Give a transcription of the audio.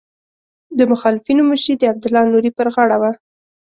د مخالفینو مشري د عبدالله نوري پر غاړه وه.